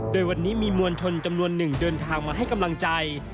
โดยวันนี้มีมวลชนจำนวนหนึ่งเดินทางมาให้กำลังใจ